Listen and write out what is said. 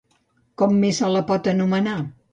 Com més se la pot anomenar?